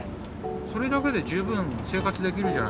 それだけで十分生活できるじゃないですか。